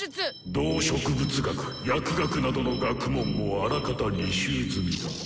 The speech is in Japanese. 動植物学・薬学などの学問もあらかた履修済みだ。